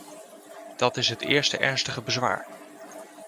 Dat is het eerste ernstige bezwaar.